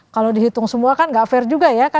kalau dihitung semua kan gak fair juga ya